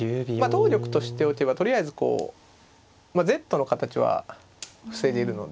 同玉としておけばとりあえずこうＺの形は防げるので。